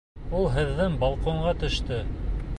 Ул һеҙҙең балконға төштө!